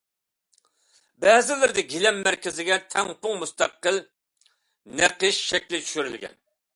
بەزىلىرىدە گىلەم مەركىزىگە تەڭپۇڭ مۇستەقىل نەقىش شەكلى چۈشۈرۈلگەن.